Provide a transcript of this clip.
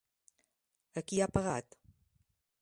A qui ha pagat?